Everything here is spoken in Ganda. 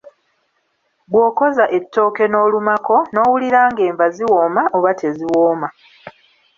Bw'okoza ettoke n'olumako, n'owulira ng'enva ziwooma oba teziwooma.